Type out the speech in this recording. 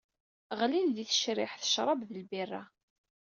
Ɣlin di tecriḥt, ccrab d lbirra.